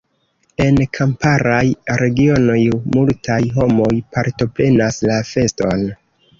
En kamparaj regionoj multaj homoj partoprenas la feston.